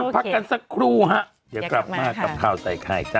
พักกันสักครู่ฮะเดี๋ยวกลับมากับข่าวใส่ไข่จ้